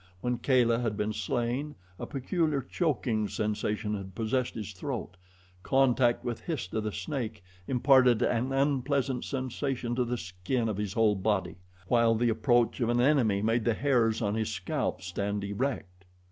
When Kala had been slain a peculiar choking sensation had possessed his throat; contact with Histah, the snake, imparted an unpleasant sensation to the skin of his whole body; while the approach of an enemy made the hairs on his scalp stand erect.